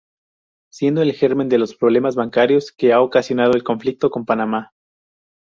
Siendo el germen de los problemas bancarios que ha ocasionado el conflicto con Panamá.